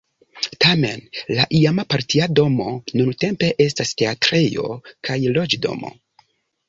Tamen la iama partia domo nuntempe estas teatrejo kaj loĝdomo.